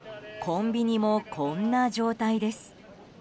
周辺一帯はコンビニもこんな状態です。